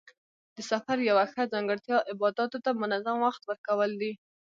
د سفر یوه ښه ځانګړتیا عباداتو ته منظم وخت ورکول دي.